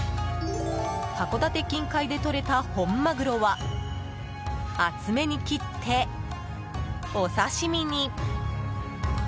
函館近海でとれた本マグロは厚めに切ってお刺し身に。